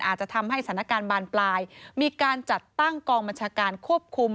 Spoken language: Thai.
อาจจะทำให้สถานการณ์บานปลายมีการจัดตั้งกองบัญชาการควบคุม